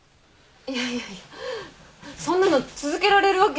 いやいやいやそんなの続けられるわけないじゃん。